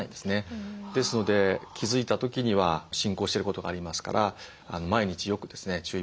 ですので気付いた時には進行してることがありますから毎日よくですね注意